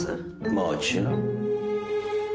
もちろん